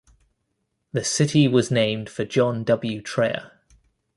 The city was named for John W. Traer.